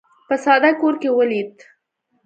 په ساده کور کې ولید.